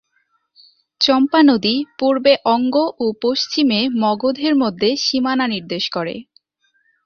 চম্পা নদী পূর্বে অঙ্গ ও পশ্চিমে মগধের মধ্যে সীমানা নির্দেশ করে।